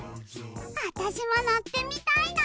あたしものってみたいな！